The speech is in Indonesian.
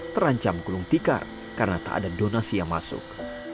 terancam gulung tikar karena tak ada donasi yang masuk